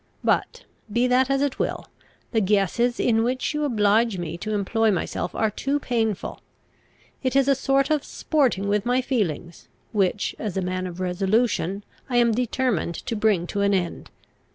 But, be that as it will, the guesses in which you oblige me to employ myself are too painful. It is a sort of sporting with my feelings, which, as a man of resolution, I am determined to bring to an end.